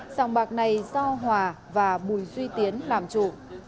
sòng bạc này do hòa và bùi duy tiến làm chủ